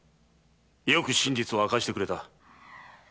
よく真実を明かしてくれた。